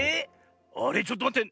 あれちょっとまって。